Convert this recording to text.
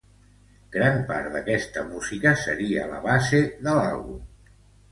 Gran part d'esta música seria la base de l'àlbum.